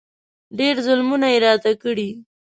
ډېر ظلمونه یې راته کړي.